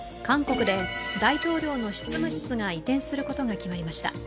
韓国で大統領の執務室が移転することが決まりました。